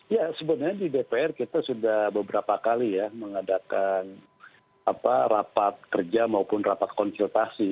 ya sebenarnya di dpr kita sudah beberapa kali ya mengadakan rapat kerja maupun rapat konsultasi